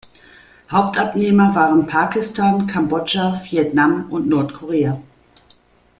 Hauptabnehmer waren Pakistan, Kambodscha, Vietnam und Nordkorea.